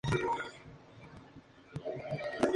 Sin embargo, la canción no fue usada en la misma.